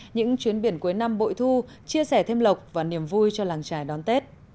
những chuyến biển cuối năm bội thu chia sẻ thêm lộc và niềm vui cho làng trài đón tết